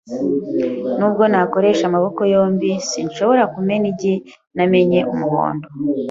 Nubwo nakoresha amaboko yombi, sinshobora kumena igi ntamennye umuhondo